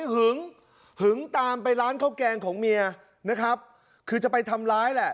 หึงหึงตามไปร้านข้าวแกงของเมียนะครับคือจะไปทำร้ายแหละ